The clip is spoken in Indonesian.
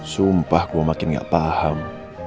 sumpah gue makin gak paham